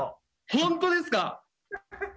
本当ですか。